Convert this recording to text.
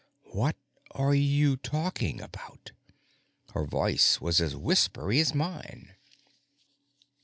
"What are you talking about?" Her voice was as whispery as mine.